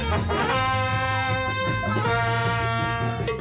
ดังนั้นก่อนจะรำวงกันให้สนาน